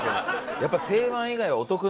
やっぱ。